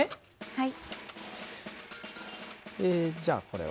はい。